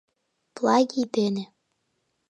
Плагий дене.